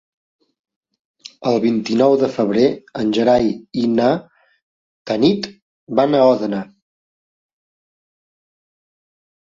El vint-i-nou de febrer en Gerai i na Tanit van a Òdena.